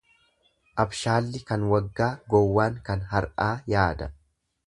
Abshaalli kan waggaa gowwaan kan har'aa yaada.